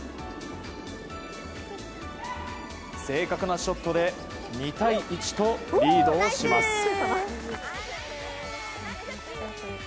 正確なショットで２対１とリードをします。